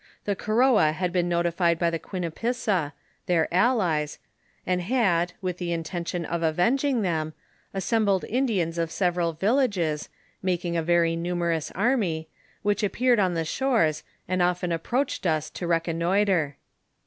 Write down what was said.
The Koroa had been notified by the Quinipissa, their allies, and had, with the intention of avenging them, assembled Indians of several villages, making a very numerous army, which ap peared on the shores, and often approached us to reconnoitre.